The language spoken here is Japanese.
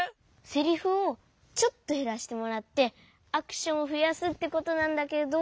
セリフをちょっとへらしてもらってアクションをふやすってことなんだけど。